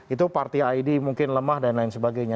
itu party id mungkin lemah dan lain sebagainya